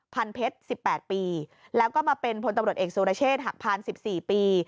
พันเพชร๑๘ปีแล้วก็มาเป็นพลตำรวจเอกสุรเชษฐหักพาน๑๔ปี